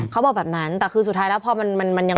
เขาบอกแบบนั้นแต่คือสุดท้ายแล้วพอมันยัง